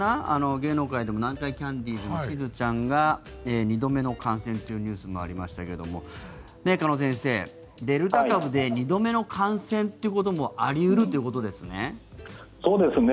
芸能界でも南海キャンディーズのしずちゃんが２度目の感染というニュースもありましたが鹿野先生、デルタ株で２度目の感染ということもあり得るということですね。